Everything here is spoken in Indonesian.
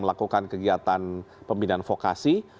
melakukan kegiatan pemindahan vokasi